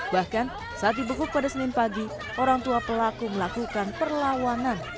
bahkan saat dibekuk pada senin pagi orang tua pelaku melakukan perlawanan